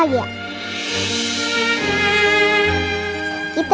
kita om puisinya